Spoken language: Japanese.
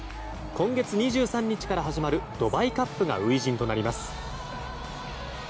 今月２３日から始まるドバイカップが初陣となります。